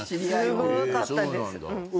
すごかったんです。